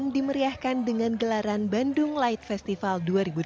dimeriahkan dengan gelaran bandung light festival dua ribu delapan belas